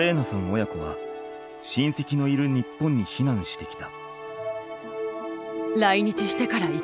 親子はしんせきのいる日本に避難してきた。